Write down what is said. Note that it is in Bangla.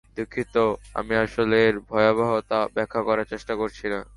দুঃখিত, আমি আসলে এর ভয়াবহতাটা ব্যাখ্যা করার চেষ্টা করছি!